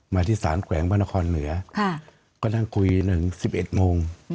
มาที่สารแขวงพระนครเหนือก็นั่งคุย๑๑โมง